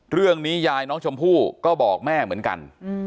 เรื่องนี้ยายน้องชมพู่ก็บอกแม่เหมือนกัน